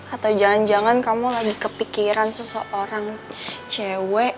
atau jangan jangan kamu lagi kepikiran seseorang cewek